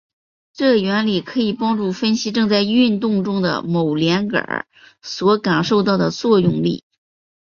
这原理可以帮助分析正在运动中的某连杆所感受到的作用力。